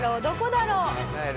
どこだろう？